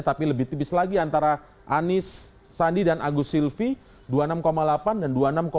tapi lebih tipis lagi antara anies sandi dan agus silvi dua puluh enam delapan dan dua puluh enam tujuh